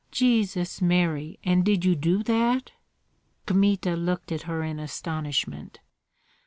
"Jesus Mary! and did you do that?" Kmita looked at her in astonishment.